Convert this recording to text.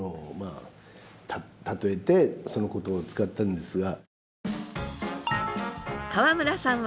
例えてそのことを使ったんですが。